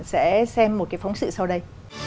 sẽ xem một cái phóng sự sau đây